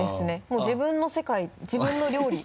もう自分の世界自分の料理。